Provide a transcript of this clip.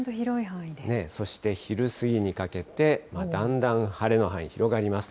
そして昼過ぎにかけて、だんだん晴れの範囲広がります。